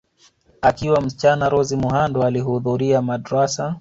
Akiwa msichana Rose Muhando alihudhuria madrasa